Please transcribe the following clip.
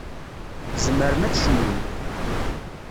Tzemrem ad tecnum.